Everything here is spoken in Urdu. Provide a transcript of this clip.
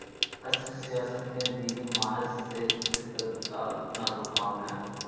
عصری سیاست میں دینی ماخذ سے استدلال‘ نازک کام ہے۔